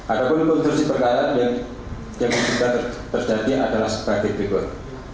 ada pun konstruksi perkara yang juga terjadi adalah sebagai berikut